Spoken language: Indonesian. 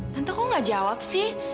tante tante kok gak jawab sih